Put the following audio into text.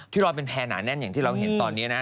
รอยเป็นแพร่หนาแน่นอย่างที่เราเห็นตอนนี้นะ